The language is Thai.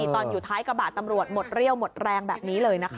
ตอนอยู่ท้ายกระบะตำรวจหมดเรี่ยวหมดแรงแบบนี้เลยนะคะ